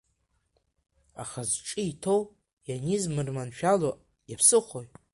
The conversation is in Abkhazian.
Аха зҿы иҭоу ианизмырманшәало иаԥсыхәои?